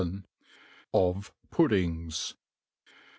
VII. OF PUDDINGS.